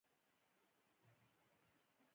زه د ستونزو په حل لارو پيسي ګرځم.